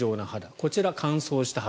こちら、乾燥した肌。